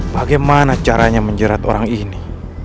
bagaimana caranya menjerat orang ini